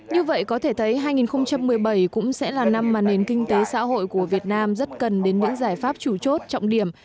như vậy có thể thấy hai nghìn một mươi bảy cũng sẽ là năm mà nền kinh tế xã hội của việt nam rất cần đến những giải pháp chủ chốt trọng điểm